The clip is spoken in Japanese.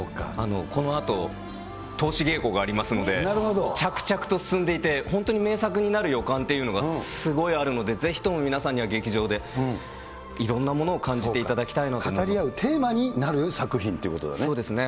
このあと、通し稽古がありますので、着々と進んでいて、本当に名作になる予感というのがすごいあるので、ぜひとも皆さんには劇場でいろんなものを感じていただきたいなと語り合うテーマになる作品っそうですね。